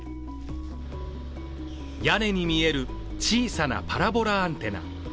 屋根に見える小さなパラボラアンテナ。